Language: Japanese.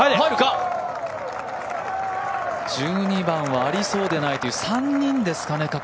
１２番はありそうでないという３人ですかね